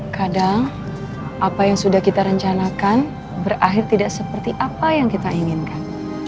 kadang apa yang sudah kita rencanakan berakhir tidak seperti apa yang kita inginkan